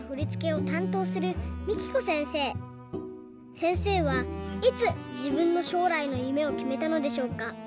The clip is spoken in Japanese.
せんせいはいつじぶんのしょうらいのゆめをきめたのでしょうか？